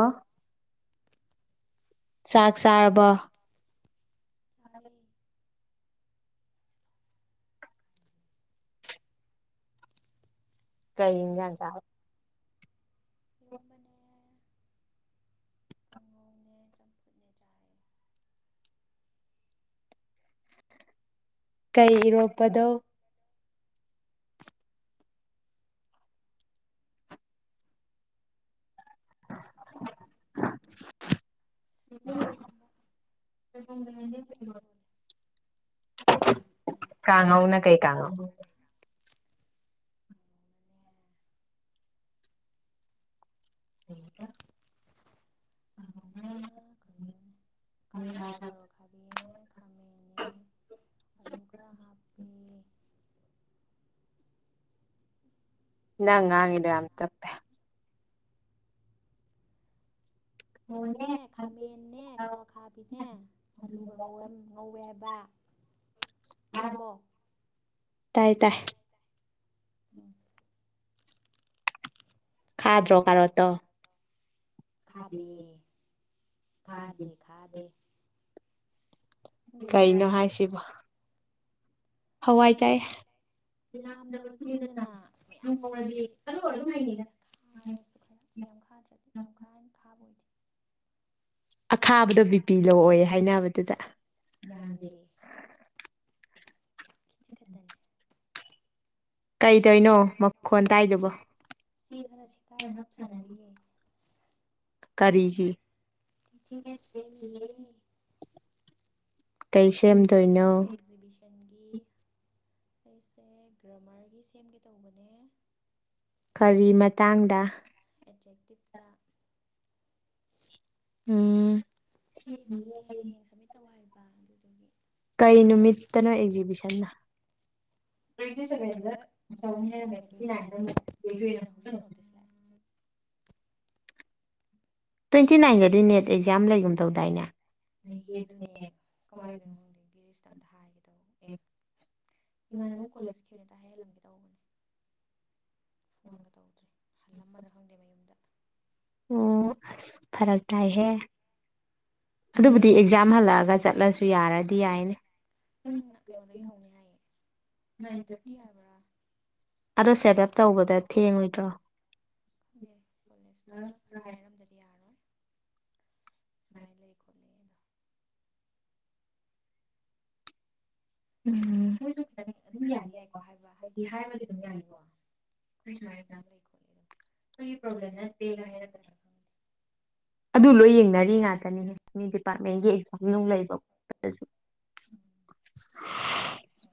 ꯑꯥ ꯆ ꯆ ꯇꯔꯦ ꯀꯩ ꯌꯥ ꯆ ꯏꯔꯣꯝꯕꯅꯦ ꯀꯥꯡꯧꯅꯦ ꯆꯝꯐꯨꯠꯅꯦ ꯆ ꯀꯩ ꯏꯔꯣꯛꯄꯗꯣ [unintelligible] ꯂꯦꯟꯗꯦꯝꯕꯤꯔꯝꯕ ꯁꯣꯏꯕꯣꯡꯗ ꯂꯦꯟꯗꯦꯝꯕ ꯏꯔꯣꯅꯦ ꯀꯥꯡꯉꯧꯅ ꯀꯩ ꯀꯥꯡꯉꯧ [unintelligible] ꯊ [unintelligible] ꯀꯥꯎꯕ ꯀꯥꯔꯤꯅꯣꯅꯦ ꯈꯥꯃꯦꯟ ꯑꯥ ꯀꯔꯣꯠ ꯑꯈꯥꯕꯤ ꯈꯥꯃꯦꯟ ꯅꯦ ꯑꯥꯂꯨ ꯈꯔ ꯍꯥꯞꯄꯦ ꯎꯝ ꯅꯪ ꯉꯥꯡꯉꯤꯗꯣ ꯌꯥꯝ ꯇꯥꯞꯄꯦ ꯑꯣꯅꯦ ꯈꯥꯃꯦꯟꯦ ꯀꯔꯣꯠ ꯑꯈꯥꯕꯤꯅꯦ ꯑꯂꯨꯒ ꯉꯧꯔꯝ ꯉꯧꯋꯦ ꯍꯥꯏꯕ ꯇꯥꯔꯕꯣ ꯇꯥꯏ ꯇꯥꯏ ꯎꯝ ꯈꯥꯗ꯭ꯔꯣ ꯀꯥꯔꯣꯠꯇꯣ ꯈꯥꯗꯦ ꯈꯥꯗꯦ ꯈꯥꯗꯦ ꯅꯪ ꯀꯩ ꯏꯟꯖꯥꯡ ꯀꯩꯅꯣ ꯆꯥꯔꯒꯦ ꯍꯥꯏꯁꯤꯕꯣ ꯍꯋꯥꯏ ꯆꯥꯏ [unintelligible] ꯌꯥꯝꯗꯕꯒꯤꯅꯤꯗꯅ ꯃꯌꯥꯝ ꯉꯧꯔꯗꯤ ꯑꯗꯣ ꯑꯗꯨꯝ ꯍꯩꯅꯩꯗ ꯈꯥꯔꯁꯨ ꯈꯔ ꯌꯥꯝ ꯈꯥꯗ꯭ꯔꯗꯤ ꯌꯥꯝ ꯀꯥ ꯍꯦꯟꯅ ꯈꯥꯕ ꯑꯣꯏꯗꯦ ꯑꯈꯥꯕꯗꯣ ꯕꯤꯄꯤ ꯂꯣ ꯑꯣꯏ ꯍꯥꯏꯅꯕꯗꯨꯗ ꯌꯥꯝꯗꯦ ꯈꯤꯖꯤꯛ ꯈꯛꯇꯅꯦ ꯀꯩꯗꯩꯅꯣ ꯃꯈꯣꯟ ꯇꯥꯏꯗꯨꯕꯣ ꯆꯦ ꯈꯔ ꯁꯤꯊꯥꯔ ꯅꯞ ꯁꯥꯟꯅꯔꯤꯌꯦ ꯀꯔꯤꯒꯤ ꯇꯤꯆꯤꯡ ꯑꯦꯠꯁ ꯁꯦꯝꯃꯤꯌꯦ ꯀꯩ ꯁꯦꯝꯗꯣꯏꯅꯣ ꯑꯦꯟꯒꯤ ꯑꯩꯁꯦ ꯒ꯭ꯔꯥꯃꯔꯒꯤ ꯁꯦꯝꯒꯦ ꯇꯧꯕꯅꯦ ꯀꯔꯤ ꯃꯇꯥꯡꯗ ꯑꯦꯇ꯭ꯔꯦꯛꯇꯤꯞꯇ ꯎꯝ ꯁꯦꯝꯃꯤꯌꯦ ꯍꯌꯦꯡ ꯁꯝꯃꯤꯠ ꯇꯧ ꯍꯥꯏꯕ ꯑꯗꯨꯗꯨꯒꯤ ꯀꯩ ꯅꯨꯃꯤꯠꯇꯅꯣ ꯑꯦꯛꯖꯤꯕꯤꯁꯟꯅ ꯇꯣꯏꯋꯟꯇꯤ ꯁꯕꯦꯟꯗ ꯇꯧꯅꯤ ꯍꯥꯏꯔꯝꯃꯦ ꯇꯣꯏꯋꯟꯇꯤ ꯅꯥꯏꯟꯗ ꯑꯃꯨꯛ ꯌꯩꯊꯣꯛꯑꯦꯅ ꯍꯧꯖꯤꯛꯇ ꯅꯣꯇꯤꯁ ꯂꯥꯛꯑꯦ ꯇ꯭ꯋꯦꯟꯇꯤ ꯅꯥꯏꯟꯒꯗꯤ ꯅꯦꯠ ꯑꯦꯛꯖꯥꯝ ꯂꯩꯒꯨꯝ ꯇꯧꯗꯥꯏꯅꯦ ꯂꯩꯌꯦ ꯑꯗꯨꯅꯦ ꯀꯃꯥꯏꯟ ꯇꯧꯗꯣꯏꯅꯣ ꯈꯪꯗꯦ ꯒꯤꯔꯤꯁ ꯑꯝꯇꯥ ꯍꯥꯏꯒꯦ ꯇꯧꯕ ꯑꯦ ꯏꯃꯥꯟꯅꯕ ꯀꯣꯂꯦꯖ ꯆꯠꯈꯤꯕꯅꯤ ꯑꯝꯇ ꯍꯥꯏꯍꯜꯂꯝꯒꯦ ꯇꯧꯕꯅꯦ ꯐꯣꯟꯒ ꯇꯧꯗ꯭ꯔꯦ ꯍꯜꯂꯝꯃꯗ꯭ꯔꯥ ꯈꯪꯗꯦ ꯃꯌꯨꯝꯗ ꯑꯣ ꯐꯔꯛ ꯇꯥꯏꯍꯦ ꯑꯗꯨꯅꯦ ꯑꯗꯨꯕꯨꯗꯤ ꯑꯦꯛꯖꯥꯝ ꯍꯜꯂꯛꯑꯒ ꯆꯠꯂꯁꯨ ꯌꯥꯔꯗꯤ ꯌꯥꯏꯅꯦ ꯄꯨꯡ ꯀꯩꯅꯣꯗꯒꯤ ꯍꯧꯅꯤ ꯍꯥꯏꯌꯦ ꯅꯥꯏꯟ ꯊꯥꯔꯇꯤ ꯍꯥꯏꯕ꯭ꯔꯥ ꯑꯗꯣ ꯁꯦꯠ ꯑꯞ ꯇꯧꯕꯗ ꯊꯦꯡꯉꯣꯏꯗ꯭ꯔꯣ [unintelligible] ꯀꯣꯂꯦꯁꯇ ꯈꯔ ꯍꯥꯏ ꯔꯝꯗꯗꯤ ꯌꯥꯔꯔꯣꯏ ꯁꯨꯃꯥꯏꯟ ꯂꯩ ꯈꯣꯠꯂꯦ ꯗꯣ ꯎꯝ ꯃꯣꯏꯖꯨ ꯈꯤꯇꯪ ꯑꯗꯨꯝ ꯌꯥꯗꯤ ꯌꯥꯏꯀꯣ ꯍꯥꯏꯕ ꯍꯥꯏꯗꯤ ꯍꯥꯏꯕꯗꯤ ꯑꯗꯨꯝ ꯌꯥꯅꯤꯀꯣ ꯑꯩꯈꯣꯏ ꯁꯨꯃꯥꯏꯅ ꯑꯦꯛꯖꯥꯝ ꯂꯩ ꯈꯣꯠꯂꯤ ꯑꯗꯨꯝ ꯑꯩꯈꯣꯏꯒꯤ ꯄ꯭ꯔꯣꯕ꯭ꯂꯦꯝ ꯅꯠꯇꯦꯒ ꯍꯥꯏꯔꯛꯀꯗ꯭ꯔꯥ ꯈꯪꯗꯦ [inaudible] ꯑꯗꯨ ꯂꯣꯏ ꯌꯦꯡꯅꯔꯤ ꯉꯥꯛꯇꯅꯤꯍꯦ ꯃꯤ ꯗꯤꯄꯥꯔꯠꯃꯦꯟꯒꯤ ꯑꯦꯛꯖꯥꯝ ꯅꯨꯡ ꯂꯩꯕ ꯈꯣꯠꯄꯗꯁꯨ [unintelligible] ꯎꯝ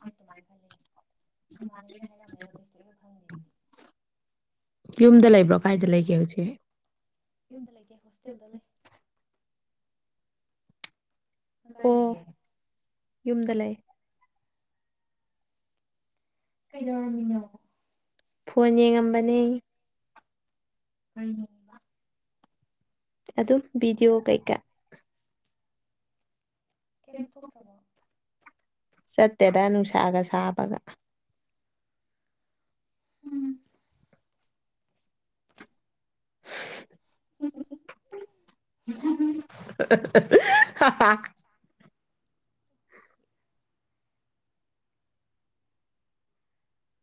ꯑꯩꯁꯨ ꯑꯗꯨꯃꯥꯏꯅ ꯈꯜꯂꯦ ꯏꯃꯥꯟꯅꯕꯤꯅ ꯍꯥꯏꯔꯛꯝꯕꯅꯤ ꯅꯣꯇꯤꯁ ꯊꯣꯛꯏꯒ ꯈꯪꯗꯦ ꯑꯩꯗꯤ ꯌꯨꯝꯗ ꯂꯩꯕ꯭ꯔꯣ ꯀꯥꯏꯗ ꯂꯩꯒꯦ ꯍꯧꯖꯤꯛ ꯌꯨꯝꯗ ꯂꯩꯇꯦ ꯍꯣꯁꯇꯦꯜꯗ ꯂꯩ ꯅꯪ ꯀꯥꯏ ꯑꯣ ꯂꯩꯒꯦ ꯌꯨꯝꯗ ꯂꯩ ꯀꯩꯗꯧꯔꯝꯃꯤꯅꯣ ꯐꯣꯟ ꯌꯦꯡꯉꯝꯕꯅꯦ ꯀꯩ ꯌꯦꯡꯉꯤꯕ ꯑꯗꯨꯝ ꯕꯤꯗꯤꯑꯣ ꯀꯩꯀ ꯀꯦꯝ ꯆꯥꯊꯣꯛꯇ꯭ꯔꯕꯣ ꯆꯠꯇꯦꯗ ꯅꯨꯡꯁꯥꯒ ꯁꯥꯕꯒ ꯎꯝ [unintelligible]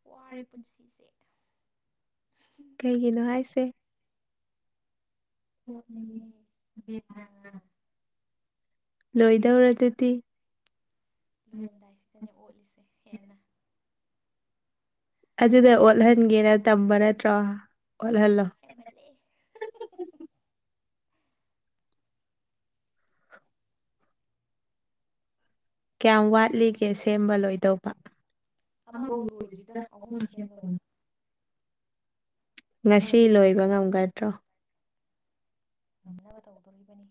ꯋꯥꯔꯦ ꯄꯨꯟꯁꯤꯁꯦ ꯀꯩꯒꯤꯅꯣ ꯍꯥꯏꯁꯦ ꯑꯣꯠꯂꯦ ꯕꯦꯠꯅꯥ ꯂꯣꯏꯗꯧꯔꯗꯨꯗꯤ ꯂꯣꯏꯔꯝꯗꯥꯏꯁꯤꯗꯅꯦ ꯑꯣꯠꯂꯤꯁꯦ ꯍꯦꯟꯅ ꯑꯗꯨꯅ ꯑꯣꯠꯍꯟꯒꯦꯅ ꯇꯝꯕ ꯅꯠꯇ꯭ꯔꯣ ꯑꯣꯠꯍꯜꯂꯣ ꯑꯦꯟꯃꯜꯂꯦ ꯀꯌꯥꯝ ꯋꯥꯠꯂꯤꯒꯦ ꯁꯦꯝꯕ ꯂꯣꯏꯗꯧꯕ ꯑꯃꯐꯧ ꯂꯣꯏꯗ꯭ꯔꯤꯗ ꯑꯍꯨꯝ ꯁꯦꯝꯗꯧꯅꯦ [unintelligible] ꯉꯁꯤ ꯑꯃꯁꯦ ꯂꯣꯏꯕ ꯉꯝꯒꯗ꯭ꯔꯣ ꯉꯝꯅꯕ ꯇꯧꯗꯣꯔꯤꯕꯅꯤ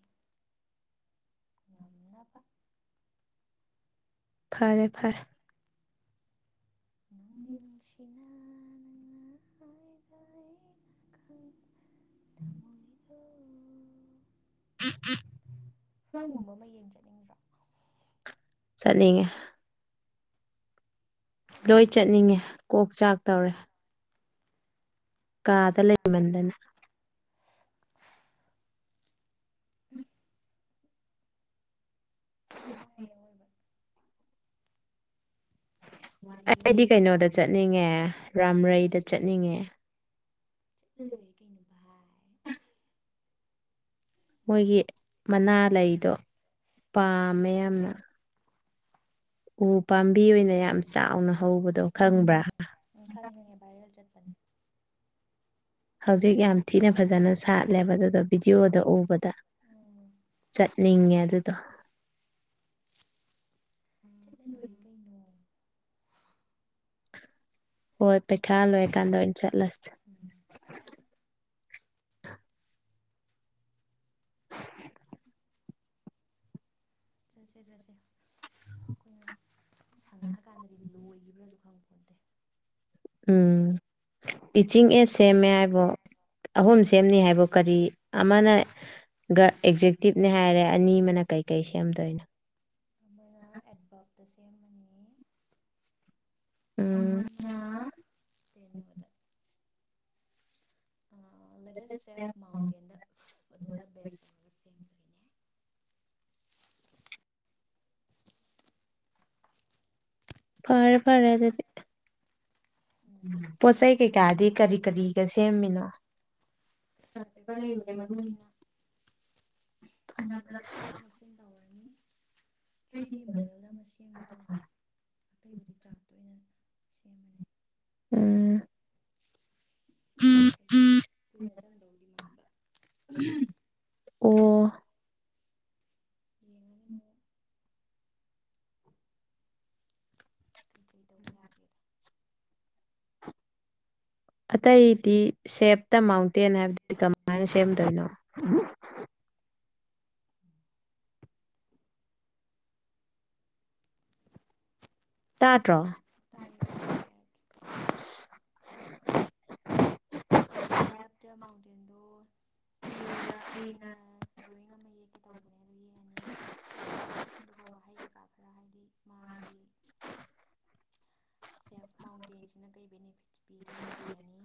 ꯉꯝꯅꯕ ꯐꯔꯦ ꯐꯔꯦ ꯅꯨꯡꯗꯤ ꯅꯨꯡꯁꯤꯅ ꯅꯪꯅ ꯍꯥꯏꯕ [inaudible] ꯑꯩꯅ [unintelligible] ꯐꯤꯂꯝꯒꯨꯝꯕ ꯑꯃ ꯌꯦꯡ ꯆꯠꯅꯤꯡꯗ꯭ꯔꯥ ꯆꯠꯅꯤꯡꯏ ꯂꯣꯏ ꯆꯠꯅꯤꯡꯉꯦ ꯀꯣꯛ ꯆꯥꯛ ꯇꯧꯔꯦ ꯀꯥꯗ ꯂꯩꯃꯟꯗꯅ ꯋꯥꯏꯌꯦ ꯑꯋꯣꯏꯕ ꯋꯥꯏꯌꯦ ꯑꯩꯗꯤ [unintelligible] ꯀꯩꯅꯣꯗ ꯆꯠꯅꯤꯡꯉꯦ ꯔꯥꯝꯔꯩꯗ ꯆꯠꯅꯤꯡꯉꯦ ꯆꯠꯂ ꯂꯣꯏꯔꯦ ꯀꯩꯅꯣ ꯚꯥꯏ ꯃꯣꯏꯒꯤ ꯃꯅꯥ ꯂꯩꯗꯣ ꯄꯥꯝꯃꯦ ꯌꯥꯝꯅ ꯎ ꯄꯥꯝꯕꯤ ꯑꯣꯏꯅ ꯌꯥꯝ ꯆꯥꯎꯅ ꯍꯧꯕꯗꯣ [unintelligible] ꯎꯝ ꯎꯝ ꯎꯝ ꯈꯪꯕ꯭ꯔꯥ ꯈꯪꯉꯦ ꯈꯪꯉꯦ ꯚꯥꯏꯔꯦꯜ ꯆꯠꯄꯅꯦ ꯍꯧꯖꯤꯛ ꯌꯥꯝ ꯊꯤꯅ ꯐꯖꯅ ꯁꯥꯠꯂꯦꯕ ꯑꯗꯨꯗꯣ ꯚꯤꯗꯤꯑꯣꯗ ꯎꯕꯗ ꯎꯝ ꯆꯠꯅꯤꯡꯉꯦ ꯑꯗꯨꯗꯣ ꯆꯠꯂ ꯂꯣꯏꯔꯦ ꯀꯩꯅꯣ ꯍꯣꯏ ꯄꯩꯈꯥ ꯂꯣꯏꯔꯀꯥꯟꯗ ꯑꯣꯏꯅ ꯆꯠꯂꯁꯦ ꯎꯝ [unintelligible] ꯆꯠꯁꯦ ꯆꯠꯁꯦ ꯑꯩꯈꯣꯏꯅ ꯁꯪꯉꯛꯑꯀꯥꯟꯗꯗꯤ ꯂꯣꯏꯈꯤꯕ꯭ꯔꯥꯁꯨ ꯈꯪ ꯄꯣꯟꯇꯦ ꯎꯝ ꯇꯤꯆꯤꯡ ꯑꯦꯁ ꯅꯦꯝꯃꯦ ꯍꯥꯏꯕꯣ ꯑꯍꯨꯝ ꯁꯦꯝꯅꯤ ꯍꯥꯏꯕꯣ ꯀꯔꯤ ꯑꯃꯅ ꯒꯥ ꯑꯦꯛꯖꯦꯛꯇꯤꯞꯅꯦ ꯍꯥꯏꯔꯦ ꯑꯅꯤ ꯑꯃꯅ ꯀꯩꯀꯩ ꯁꯦꯝꯗꯣꯏꯅꯣ ꯑꯃꯅ ꯑꯦꯠꯚꯔꯠꯇ ꯁꯦꯝꯃꯅꯤ ꯎꯝ ꯑꯃꯥꯅ ꯀꯩꯅꯣꯗ ꯂꯦꯗꯦꯁ ꯁꯦꯐ ꯃꯥꯎꯟꯇꯦꯟꯗ ꯑꯗꯨꯒꯗ ꯕꯦꯁ ꯇꯧꯔꯒ ꯁꯦꯝꯗꯣꯏꯅꯦ ꯐꯔꯦ ꯐꯔꯦ ꯑꯗꯨꯗꯤ ꯎꯝ ꯄꯣꯠ ꯆꯩꯩ ꯀꯩꯀꯥꯗꯤ ꯀꯔꯤ ꯀꯔꯤꯒ ꯁꯦꯝꯃꯤꯅꯣ ꯆꯥꯔꯠ ꯄꯦꯄꯔ ꯂꯩꯔꯨꯔꯦ ꯃꯔꯨ [unintelligible] [unintelligible] ꯅꯞꯁꯤꯟ ꯇꯧꯔꯅꯤ ꯊ꯭ꯔꯤ ꯗꯤ ꯃꯣꯗꯦꯜꯗ ꯃꯁꯤ ꯁꯦꯝꯒꯦ ꯇꯧꯕꯅꯦ ꯑꯇꯩꯕꯨꯗꯤ ꯆꯥꯠꯇꯥ ꯑꯣꯏꯅ ꯁꯦꯝꯃꯅꯤ ꯎꯝ [unintelligible] ꯀꯨꯏꯅ ꯆꯪꯗꯧꯗꯤ ꯃꯥꯟꯕ [unintelligible] ꯑꯣ ꯌꯦꯡꯉꯅꯤ ꯃꯑꯣꯡ ꯀꯩꯀꯩ ꯇꯧꯕ ꯌꯥꯒꯦꯗꯣ ꯑꯇꯩꯗꯤ ꯁꯦꯞ ꯗꯥ ꯃꯥꯎꯟꯇꯦꯟ ꯍꯥꯏꯕꯗꯨꯗꯤ ꯀꯃꯥꯏꯅ ꯁꯦꯝꯗꯣꯏꯅꯣ [unintelligible] ꯇꯥꯗ꯭ꯔꯣ ꯇꯏꯌꯦ ꯇꯏꯌꯦ ꯍꯥꯏꯔꯛꯀꯦ ꯁꯦꯞꯇ ꯃꯥꯎꯟꯇꯦꯟꯗꯣ ꯆꯦꯗ ꯑꯩꯅ ꯗ꯭ꯔꯣꯌꯤꯡ ꯑꯃ ꯌꯦꯛꯀꯦ ꯇꯧꯕꯅꯦ ꯑꯗꯣ ꯌꯦꯛꯑꯅꯤ ꯑꯗꯨꯒ ꯋꯥꯍꯩ ꯀꯩꯀꯥ ꯈꯔ ꯍꯥꯏꯗꯤ ꯃꯥꯒꯤ ꯁꯦꯐ ꯃꯥꯎꯟꯇꯦꯟꯁꯤꯅ ꯀꯩ ꯕꯦꯅꯤꯐꯤꯠꯁ ꯄꯤꯗꯣꯗꯨ ꯏꯔꯥꯅꯤ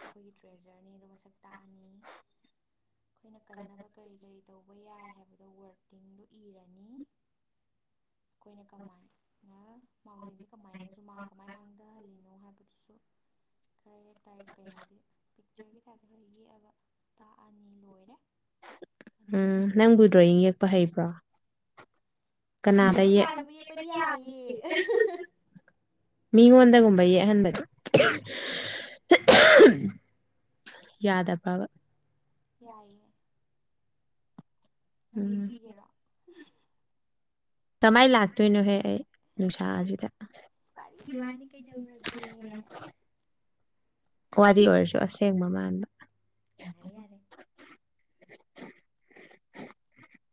ꯑꯩꯈꯣꯏꯒꯤ ꯇ꯭ꯔꯦꯖꯔꯅꯤꯅ ꯃꯁꯛ ꯇꯥꯛꯑꯅꯤ ꯑꯩꯈꯣꯏꯅ ꯀꯟꯅꯕ ꯀꯔꯤ ꯀꯔꯤ ꯇꯧꯕ ꯌꯥꯏ ꯍꯥꯏꯕꯗꯣ ꯋꯥꯔꯗꯤꯡꯗꯨ ꯏꯔꯥ ꯅꯤ ꯑꯩꯈꯣꯏꯅ ꯀꯃꯥꯏꯅ ꯃꯥꯎꯟꯇꯦꯟꯁꯦ ꯀꯃꯥꯏꯅꯁꯨ ꯃꯥꯡ ꯀꯃꯥꯏ ꯃꯥꯡꯗꯍꯜꯂꯤꯅꯣ ꯍꯥꯏꯕꯗꯨꯁꯨ ꯈꯔ ꯇꯥꯏ ꯀꯩꯅꯣꯒꯤ ꯄꯤꯛꯆꯔꯒꯤ ꯇꯥꯏꯞꯇ ꯈꯔ ꯌꯦꯛꯑꯒ ꯇꯥꯛꯑꯅꯤ ꯂꯣꯏꯔꯦ ꯑꯗꯨꯒ ꯎꯝ ꯅꯪꯕꯨ ꯗ꯭ꯔꯣꯌꯤꯡ ꯌꯦꯛꯄ ꯍꯩꯕ꯭ꯔꯣ ꯀꯅꯥꯗ ꯍꯩꯇ꯭ꯔꯁꯨ ꯌꯦꯛ ꯃꯥꯟꯅꯕ ꯌꯦꯛꯄꯗꯤ ꯌꯥꯏꯌꯦ ꯃꯤꯉꯣꯟꯗꯒꯨꯝꯕ ꯌꯦꯛꯍꯟꯕ [unintelligible] ꯌꯥꯗ ꯄꯥꯕ ꯌꯥꯏꯌꯦ ꯅꯪ ꯎꯝ ꯌꯦꯛꯄꯤꯒꯦꯔꯣ ꯀꯃꯥꯏꯅ ꯂꯥꯛꯇꯣꯏꯅꯣꯍꯦ ꯑꯩ ꯅꯨꯡꯁꯥ ꯁꯤꯗꯥ ꯑꯁ ꯋꯥꯔꯤꯒꯤ ꯋꯥꯅꯤ ꯀꯩꯗꯧꯔꯒꯦ ꯋꯥꯔꯤ ꯑꯣꯏꯔꯁꯨ ꯑꯁꯦꯡꯕ ꯃꯥꯟꯕ ꯌꯥꯔꯦ ꯌꯥꯔꯦ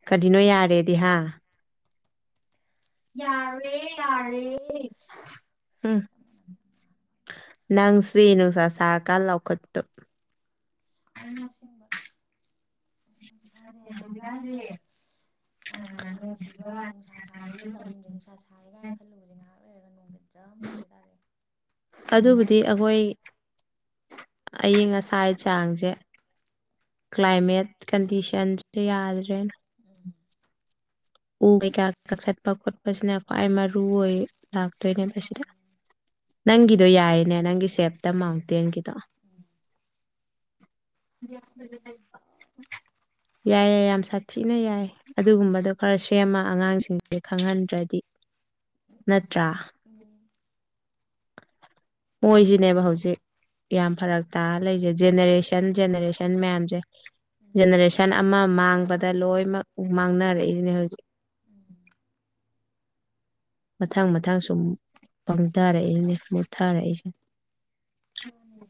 ꯀꯔꯤꯅꯣ ꯌꯥꯔꯦꯗꯤ ꯍꯥꯥ ꯌꯥꯔꯦ ꯌꯥꯔꯦ ꯎꯝ ꯅꯨꯡꯉꯥꯏꯉꯣ ꯅꯪꯁꯤ ꯅꯨꯡꯁꯥ ꯁꯥꯔꯀꯥꯟ ꯂꯧꯈꯠꯇꯣ ꯁꯥꯏꯉꯣ ꯑꯁꯦꯡꯕ ꯍꯧꯖꯤꯛꯀꯥꯟꯁꯦ ꯍꯧꯖꯤꯛꯀꯥꯟꯁꯦ ꯑꯥ ꯅꯣꯡ ꯆꯨꯕ ꯅꯨꯡꯁꯥ ꯁꯥꯕꯒꯤ ꯇꯝꯃꯁꯦ ꯅꯨꯡꯁꯥ ꯁꯥꯥꯏꯌꯦ ꯀꯥꯏꯅ ꯈꯜꯂꯨꯕꯁꯦ ꯉꯥꯏꯍꯥꯛ ꯂꯩꯔꯒ ꯅꯣꯡꯗ [unintelligible] ꯇꯝꯕ ꯑꯗꯨꯕꯨꯗꯤ ꯑꯩꯈꯣꯏ ꯑꯏꯤꯡ ꯑꯁꯥꯏ ꯆꯥꯡꯁꯦ ꯀ꯭ꯂꯥꯏꯃꯦꯠ ꯀꯟꯗꯤꯁꯟꯁꯨ ꯌꯥꯗ꯭ꯔꯦꯅ ꯎꯝ ꯎ ꯀꯩꯀꯥ ꯀꯥꯛꯊꯠꯄ ꯈꯣꯠꯄꯁꯤꯅ ꯈ꯭ꯋꯥꯏ ꯃꯔꯨ ꯑꯣꯏ ꯂꯥꯛꯇꯣꯏꯅꯦꯕ ꯁꯤꯗ ꯅꯪꯒꯤꯗꯣ ꯌꯥꯏꯅꯦ ꯅꯪꯒꯤ ꯁꯦꯞꯇ ꯃꯥꯎꯇꯦꯟꯒꯤꯗꯣ ꯌꯥꯥꯕꯅꯦ ꯍꯥꯏꯕꯥ ꯌꯥꯏꯌꯦ ꯌꯥꯝ ꯁꯥꯊꯤꯅ ꯌꯥꯏ ꯑꯗꯨꯒꯨꯝꯕꯗꯣ ꯈꯔ ꯁꯦꯝꯃ ꯑꯉꯥꯡꯁꯤꯡꯁꯦ ꯈꯪꯍꯟꯗ꯭ꯔꯗꯤ ꯅꯠꯇ꯭ꯔꯥ ꯎꯝ ꯃꯣꯏꯁꯤꯅꯦꯕ ꯍꯧꯖꯤꯛ ꯌꯥꯝ ꯐꯔꯛ ꯇꯥ ꯂꯩꯖꯦ ꯖꯦꯅꯦꯔꯦꯁꯟ ꯖꯦꯅꯦꯔꯦꯁꯟ ꯃꯌꯥꯝꯁꯦ ꯎꯝ ꯖꯦꯅꯦꯔꯦꯁꯟ ꯁꯟ ꯑꯃ ꯃꯥꯡꯕꯗ ꯂꯣꯏꯅꯃꯛ ꯃꯥꯡꯅꯔꯛꯏꯁꯤꯅꯦ ꯍꯧꯖꯤꯛ ꯎꯝ ꯃꯊꯪ ꯃꯊꯪ ꯁꯨꯝ ꯄꯪꯗꯔꯛꯏꯅꯦ ꯃꯨꯠꯊꯔꯛꯏꯁꯦ ꯃꯥꯅꯦ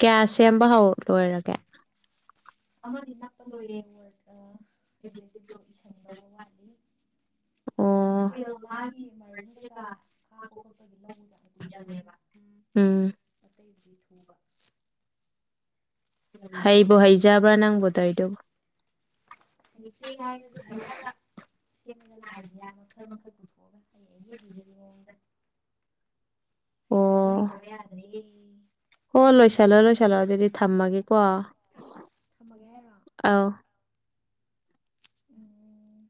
ꯀꯌꯥ ꯁꯦꯝꯕ ꯍꯧ ꯂꯣꯏꯔꯒꯦ [inaudible] [unintelligible] ꯑꯃꯗꯤ ꯅꯞꯄ ꯂꯣꯏꯔꯦ ꯋꯥꯔꯠ ꯑꯦꯖꯦꯛꯇꯤꯞꯇꯣ ꯏꯁꯟ ꯗꯧꯕ ꯋꯥꯠꯂꯤ ꯑꯣ ꯏꯁꯀꯦꯜ ꯃꯥꯒꯤ ꯃꯥꯔꯖꯤꯟ ꯀꯩꯀꯥ ꯈꯥꯛꯄꯥ ꯈꯣꯠꯄꯒꯤ ꯂꯧꯗꯤ ꯀꯨꯏ ꯆꯪꯉꯦꯕ ꯎꯝ [unintelligible] ꯑꯇꯩꯕꯨꯗꯤ ꯊꯨꯕꯥ ꯇꯧꯔ ꯍꯩꯕꯨ ꯍꯩꯖꯕ꯭ꯔꯥ ꯅꯪꯕꯨ ꯇꯧꯏꯗꯨꯕꯨ ꯍꯩꯇꯦ ꯍꯥꯏꯔꯁꯨ ꯍꯩꯅꯕ ꯁꯦꯝꯃꯦꯗꯥꯅ ꯑꯥꯏꯗꯤꯌꯥ ꯃꯈꯜ ꯃꯈꯜ ꯄꯨꯊꯣꯛ ꯑꯣ ꯑꯩ ꯑꯩꯒꯤ ꯍꯩꯖꯕꯤ ꯃꯑꯣꯡꯗ ꯍꯩꯇ꯭ꯔꯁꯨ ꯑꯣ ꯍꯩꯇꯕ ꯌꯥꯗ꯭ꯔꯦ ꯍꯣ ꯂꯣꯏꯁꯤꯜꯂꯣ ꯂꯣꯏꯁꯤꯜꯂꯣ ꯑꯗꯨꯗꯤ ꯊꯝꯃꯒꯦꯀꯣ꯫ ꯊꯝꯃꯒꯦ ꯍꯥꯏꯔꯣ꯫ ꯑꯥꯎ꯫ ꯎꯝ